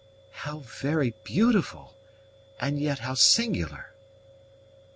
"How very beautiful! and yet how singular!"